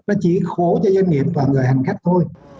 nó chỉ khổ cho doanh nghiệp và người hành khách thôi